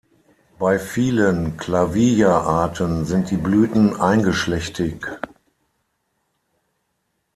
Bei vielen "Clavija"-Arten sind die Blüten eingeschlechtig.